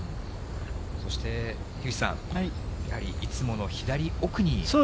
そして樋口さん、やはりいつもの左奥に。